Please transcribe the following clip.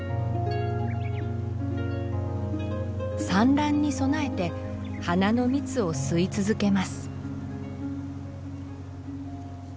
産卵に備えて花の蜜を吸い続けます。